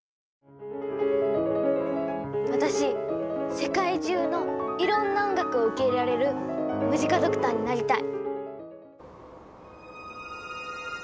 私世界中のいろんな音楽を受け入れられるムジカドクターになりたい。